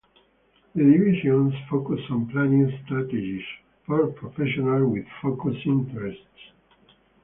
The divisions focus on planning strategies for professionals with focused interests.